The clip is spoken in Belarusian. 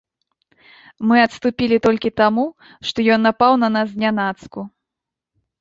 Мы адступілі толькі таму, што ён напаў на нас знянацку.